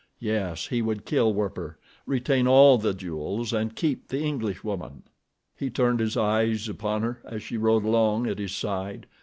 Yes, he would kill Werper, retain all the jewels and keep the Englishwoman. He turned his eyes upon her as she rode along at his side.